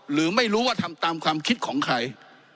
หรือไม่รู้ว่าทำตามความคิดของใคร